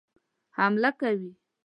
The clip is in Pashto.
حمله کوي.